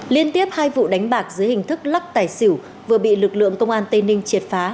liên tiếp hai vụ đánh bạc dưới hình thức lắc tài xỉu vừa bị lực lượng công an tây ninh triệt phá